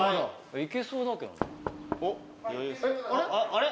・あれ？